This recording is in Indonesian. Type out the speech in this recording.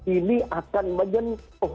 ini akan menyentuh